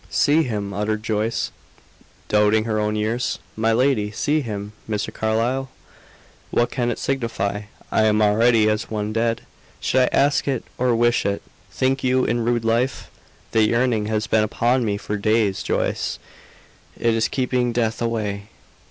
"See him!" uttered Joyce, doubting her own ears. "My lady! See him! Mr. Carlyle!" "What can it signify? I am already as one dead. Should I ask it or wish it, think you, in rude life? The yearning has been upon me for days Joyce; it is keeping death away."